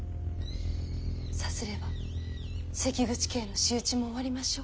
さすれば関口家への仕打ちも終わりましょう。